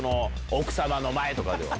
奥様の前とかでは。